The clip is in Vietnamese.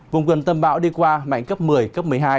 vùng gần tâm bão đi qua mạnh cấp một mươi cấp một mươi hai